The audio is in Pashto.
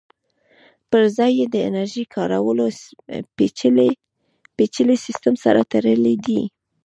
پرځای یې د انرژۍ کارولو پېچلي سیسټم سره تړلی دی